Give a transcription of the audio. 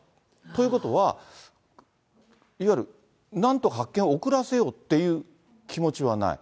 ということは、いわゆるなんとか発見を遅らせようという気持ちはない。